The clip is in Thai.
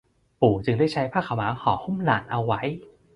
ปู่จึงได้ใช้ผ้าขาวม้าห่อหุ้มหลานเอาไว้